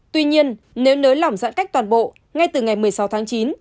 tuy nhiên nếu nới lỏng giãn cách toàn bộ ngay từ ngày một mươi sáu tháng chín